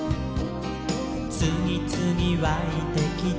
「つぎつぎわいてきて」